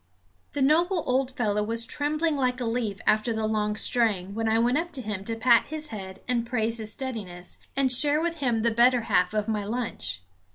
The noble old fellow was trembling like a leaf after the long strain when I went up to him to pat his head and praise his steadiness, and share with him the better half of my lunch.